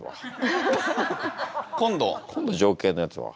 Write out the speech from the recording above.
今度情景のやつは。